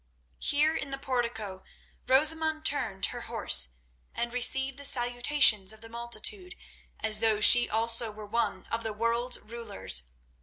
Here in the portico Rosamund turned her horse, and received the salutations of the multitude as though she also were one of the world's rulers.